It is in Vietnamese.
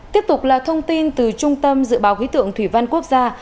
tiếp tục là thông tin từ trung tâm dự báo khí tượng thủy văn quốc gia